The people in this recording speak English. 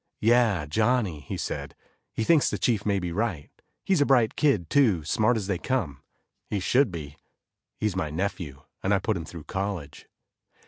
"Yeah, Johnny," he said, "he thinks the chief may be right. He's a bright kid, too, smart as they come. He should be, he's my nephew and I put him through college."